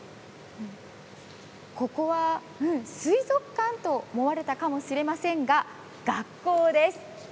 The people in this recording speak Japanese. ここは水族館と思われたかもしれませんが学校です。